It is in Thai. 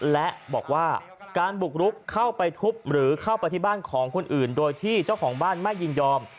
และบอกว่าการบุกรุกเข้าไปทุบหรือเข้าไปที่บ้านของคนอื่นโดยที่เจ้าของบ้านไม่ยินยอม